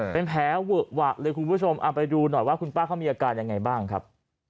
เป็นแผลเวอะหวะเลยคุณผู้ชมเอาไปดูหน่อยว่าคุณป้าเขามีอาการยังไงบ้างครับ